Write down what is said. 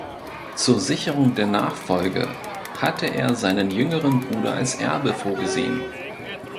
Zur Sicherung der Nachfolge hatte er seinen jüngeren Bruder als Erbe vorgesehen.